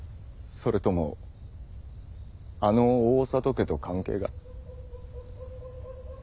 それともあの大郷家と関係が。